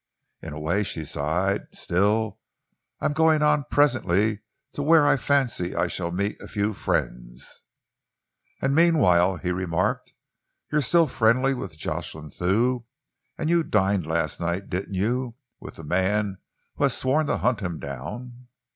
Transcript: "In a way," she sighed. "Still, I am going on presently to where I fancy I shall meet a few friends." "And meanwhile," he remarked, "you are still friendly with Jocelyn Thew, and you dined last night, didn't you, with the man who has sworn to hunt him down?"